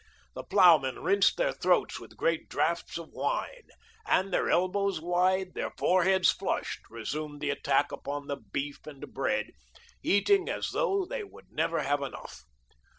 The ploughmen rinsed their throats with great draughts of wine, and, their elbows wide, their foreheads flushed, resumed the attack upon the beef and bread, eating as though they would never have enough.